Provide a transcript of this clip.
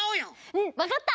うんわかった。